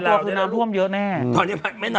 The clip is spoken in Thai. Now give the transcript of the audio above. น้ำน้ำถู้ห้องแห้ง